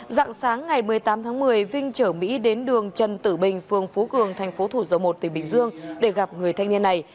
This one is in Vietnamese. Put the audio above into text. dạng sáng ngày một mươi tám tháng một mươi vinh trở mỹ đến đường trần tử bình phương phú cường tp thủ dâu một tỉnh bình dương để gặp người thanh niên này